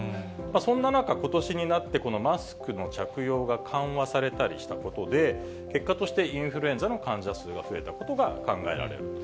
そんな中、ことしになってこのマスクの着用が緩和されたりしたことで、結果として、インフルエンザの患者数が増えたことが考えられる。